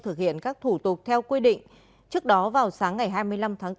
thực hiện các thủ tục theo quy định trước đó vào sáng ngày hai mươi năm tháng bốn